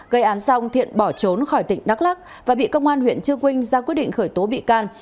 gây án xong thiện bỏ trốn khỏi tỉnh đắk lắc và bị công an huyện chư quynh ra quyết định khởi tố bị can